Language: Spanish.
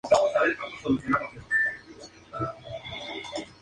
Una adivina y acusada de ladrona, parecía inevitable que fuera nombrada como una bruja.